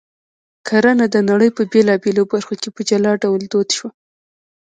کرنه د نړۍ په بېلابېلو برخو کې په جلا ډول دود شوه